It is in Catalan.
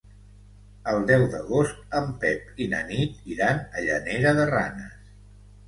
El deu d'agost en Pep i na Nit iran a Llanera de Ranes.